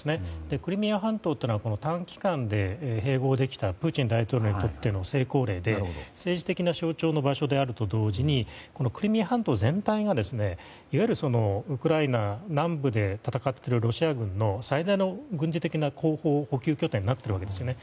クリミア半島というのは短期間で併合できたプーチン大統領にとっての成功例で政治的な象徴の場所であると同時に、クリミア半島全体でウクライナ南部で戦っているロシア軍の最大の軍事的な後方の補給拠点になっているわけですよね。